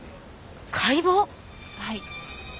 はい。